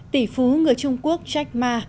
tỷ phú người trung quốc jack ma